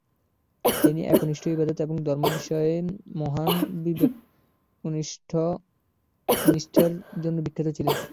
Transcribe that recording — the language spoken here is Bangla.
তিনি একনিষ্ঠ ইবাদত এবং ধর্ম বিষয়ে মহান বিবেকনিষ্ঠার জন্যে বিখ্যাত ছিলেন।